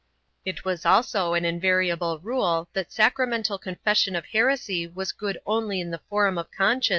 It was also an invariable rule thatsacramental confession of heresy was good only in the forum of conscience and 1 Arch.